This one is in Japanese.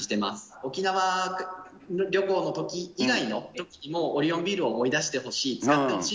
沖縄旅行のとき以外のときにも、オリオンビールを思い出してほしい、使ってほしい。